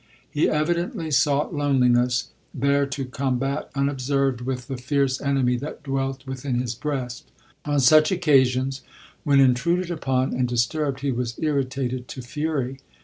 He evidently sought loneliness, there to combat unobserved with the LODOIt E. 19 fierce enemy that dwelt within his breast. On such occasions, when intruded upon and dis turbed, he was irritated to fury.